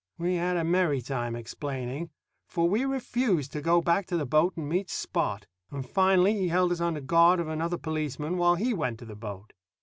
We had a merry time explaining, for we refused to go back to the boat and meet Spot; and finally he held us under guard of another policeman while he went to the boat.